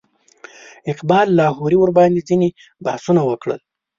اقبال لاهوري ورباندې ځینې بحثونه وکړل.